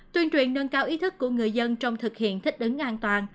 tuyên truyền nâng cao ý thức của người dân trong thực hiện thích ứng an toàn